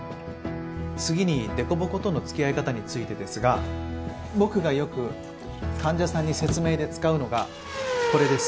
次に凸凹との付き合い方についてですが僕がよく患者さんに説明で使うのがこれです。